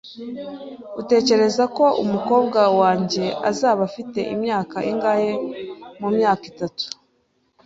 Utekereza ko umukobwa wanjye azaba afite imyaka ingahe mu myaka itatu?